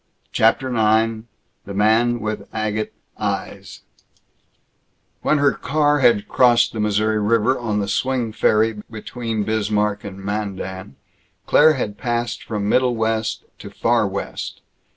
CHAPTER IX THE MAN WITH AGATE EYES When her car had crossed the Missouri River on the swing ferry between Bismarck and Mandan, Claire had passed from Middle West to Far West.